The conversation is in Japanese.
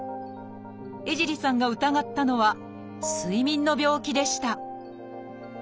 江尻さんが疑ったのは睡眠の病気でした